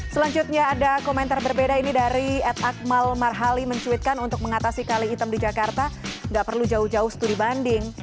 selanjutnya ada komentar berbeda ini dari at akmal marhali mencuitkan untuk mengatasi kali hitam di jakarta nggak perlu jauh jauh studi banding